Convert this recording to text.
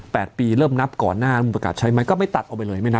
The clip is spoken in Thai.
แปดปีเริ่มนับก่อนคุณประกาศใช้มันก็ไม่ตัดออกไปเลยไม่นับ